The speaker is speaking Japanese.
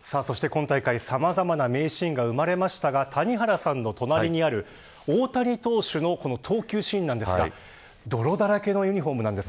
そして今大会さまざまな名シーンが生まれましたが谷原さんの隣にある大谷投手の投球シーンですが泥だらけのユニホームなんです。